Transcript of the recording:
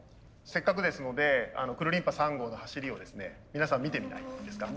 せっかくですのでくるりんぱ３号の走りをですね皆さん見てみないですか？